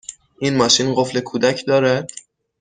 این ماشین قفل کودک دارد؟